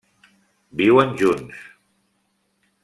Viuen junts.